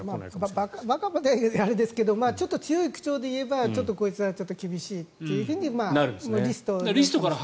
馬鹿まではあれですがちょっと強い口調で言えばちょっとこいつは厳しいとリストから。